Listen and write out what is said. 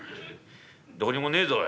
どこにもねえぞおい。